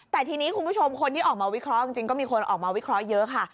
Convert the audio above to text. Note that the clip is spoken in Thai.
แต่ทีนี้คุณผู้ชมคนที่ออกมาวิเคราะห์จริงก็มีคนออกมาวิเคราะห์เยอะค่ะ